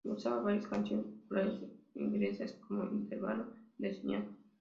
Usaba varias canciones populares inglesas como intervalo de señal.